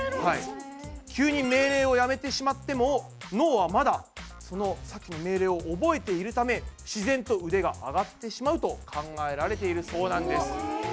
急に命令をやめてしまっても脳はまださっきの命令を覚えているため自然とうでが上がってしまうと考えられているそうなんです。